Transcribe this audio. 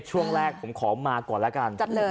ช่วงแรกผมขอมาก่อนแล้วกัน